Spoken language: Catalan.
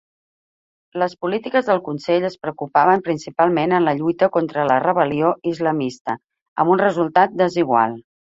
Les polítiques del consell es preocupaven principalment en la lluita contra la rebel·lió islamista, amb un resultat desigual.